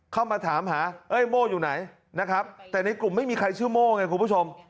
เข้ามาถามหาเอ้ยโม่อยู่ไหนนะครับแต่ในกลุ่มไม่มีใครชื่อโม่ไงคุณผู้ชม